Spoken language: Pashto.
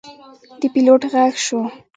د پیلوټ غږ شو.